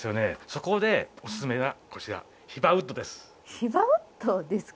そこでオススメがこちらヒバウッドです。